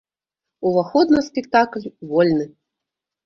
Уваход на спектакль вольны.